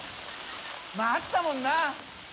まぁあったもんな。